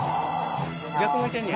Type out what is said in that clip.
逆向いてんのや。